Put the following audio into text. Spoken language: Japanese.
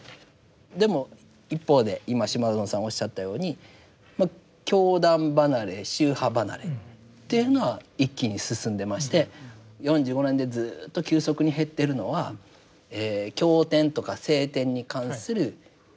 でも一方で今島薗さんおっしゃったようにまあ教団離れ宗派離れというのは一気に進んでまして４５年でずっと急速に減っているのはえ経典とか聖典に関する親しみ。